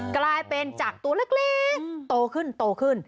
กลายเป็นจากตัวเล็กโตขึ้น